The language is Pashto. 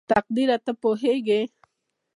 تقديره ته پوهېږې??